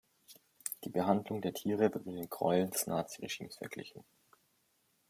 Die Behandlung der Tiere wird mit den Gräueln des Naziregimes verglichen.